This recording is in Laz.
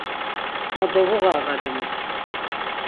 Ma dovuğarğal emus.